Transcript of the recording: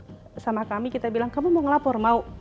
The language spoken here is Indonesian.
jadi pada saat sama kami kita bilang kamu mau ngelapor mau